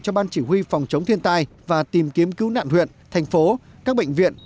cho ban chỉ huy phòng chống thiên tai và tìm kiếm cứu nạn huyện thành phố các bệnh viện